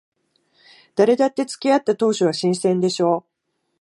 誰だって付き合った当初は新鮮でしょ。